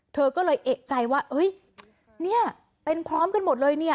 เธอก็เลยเอกใจว่าเฮ้ยเนี่ยเป็นพร้อมกันหมดเลยเนี่ย